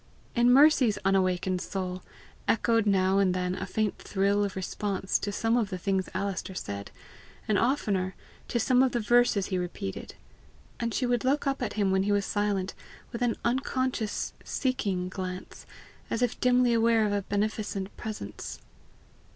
In Mercy's unawakened soul, echoed now and then a faint thrill of response to some of the things Alister said, and, oftener, to some of the verses he repeated; and she would look up at him when he was silent, with an unconscious seeking glance, as if dimly aware of a beneficent presence.